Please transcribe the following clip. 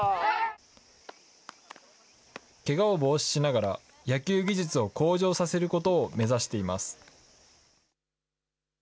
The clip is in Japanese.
けがを防止しながら、野球技術を向上させることを目指しています。